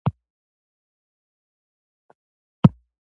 د یونیسف مرستې ماشومانو ته رسیږي؟